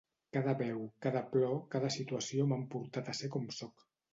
Cada veu, cada plor, cada situació m’han portat a ser com sóc.